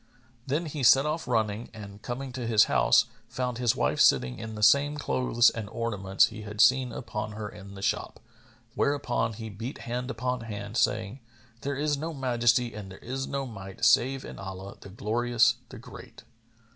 Then he set off running, and coming to his house, found his wife sitting in the same clothes and ornaments he had seen upon her in the shop; whereupon he beat hand upon hand, saying, "There is no Majesty and there is no Might save in Allah, the Glorious, the Great!"